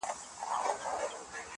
عقل پنډت حلالوي مرگ ته ملا ورکوي,